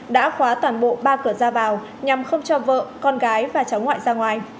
đã khóa toàn bộ ba cửa ra vào nhằm không cho vợ con gái và cháu ngoại ra ngoài